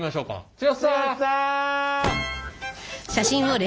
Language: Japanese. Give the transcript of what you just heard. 剛さん。